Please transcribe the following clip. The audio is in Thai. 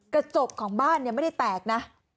กระจกของบ้านไม่ได้แตกนะ